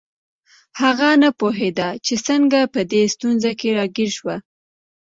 هغه نه پوهیده چې څنګه په دې ستونزه کې راګیر شو